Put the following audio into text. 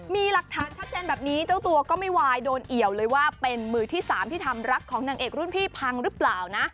มีหลักฐานชัดเจนแบบนี้เจ้าตัวก็ไม่วายโดนเอี่ยวเลยว่าเป็นมือที่๓ที่ทำรักของนางเอกรุ่นพี่พังหรือเปล่านะ